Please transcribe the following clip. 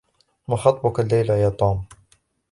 ما خطبك الليلة يا توم ؟